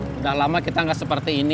sudah lama kita nggak seperti ini